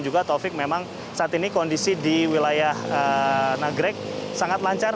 juga taufik memang saat ini kondisi di wilayah nagrek sangat lancar